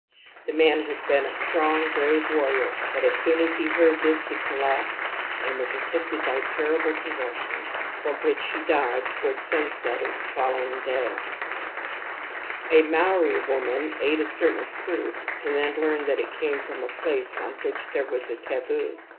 The man had been a strong, brave warrior, but as soon as he heard this he collapsed and was afflicted by terrible convulsions, from which he died towards sunset of the following day. A Maori woman ate a certain fruit and then learned that it came from a place on which there was a taboo.